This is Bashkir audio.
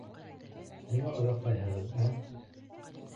Ниңә оҙаҡлайһығыҙ, ә?